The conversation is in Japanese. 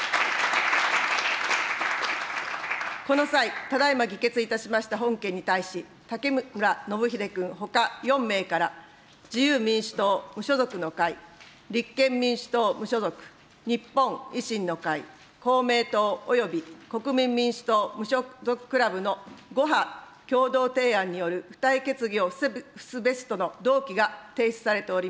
この際、ただ今議決いたしました本件に対し、武村展英君ほか４名から、自由民主党・無所属の会、立憲民主党・無所属、日本維新の会、公明党および国民民主党・無所属クラブの５派共同提案による付帯決議をすべしとの動議が提出されております。